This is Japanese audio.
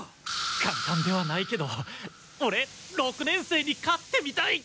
簡単ではないけどオレ六年生に勝ってみたい。